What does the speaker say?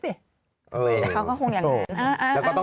แต่เขาก็คงอย่างนั้น